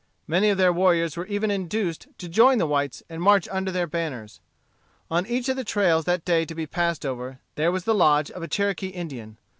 Many of their warriors were even induced to join the whites and march under their banners. On each of the trails that day to be passed over, there was the lodge of a Cherokee Indian.